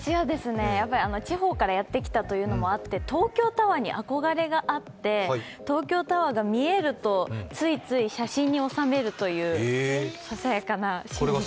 地方からやってきたということもあって東京タワーに憧れがあって東京タワーが見えるとついつい写真に収めるというささやかな趣味が。